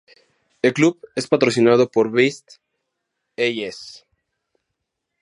El club es patrocinado por "Best A.Ş.